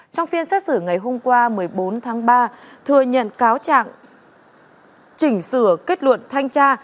trong phiên xét xử ngày hôm qua một mươi bốn tháng ba thừa nhận cáo trạng chỉnh sửa kết luận thanh tra